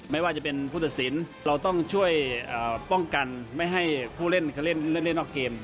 ไม่ว่าจะเป็นผู้ตัดสินเราต้องช่วยป้องกันไม่ให้ผู้เล่นเขาเล่นนอกเกม